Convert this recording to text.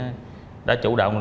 đi thì đã chủ động